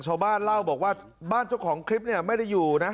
ชาวบ้านเล่าบอกว่าบ้านเจ้าของคลิปเนี่ยไม่ได้อยู่นะ